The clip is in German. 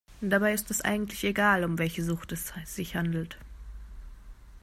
Dabei ist es eigentlich egal, um welche Sucht es sich handelt.